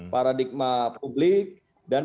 paradigma publik dan paradigma masyarakat